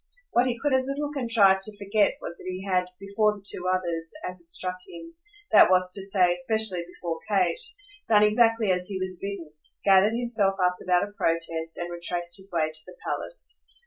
What he could as little contrive to forget was that he had, before the two others, as it struck him that was to say especially before Kate done exactly as he was bidden; gathered himself up without a protest and retraced his way to the palace.